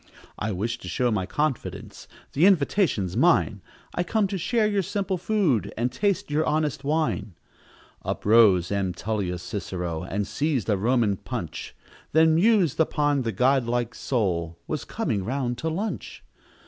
"I wish to show my confidence The invitation's mine I come to share your simple food, And taste your honest wine." Up rose M. Tullius Cicero, And seized a Roman punch, Then mused upon the god like soul Was coming round to lunch.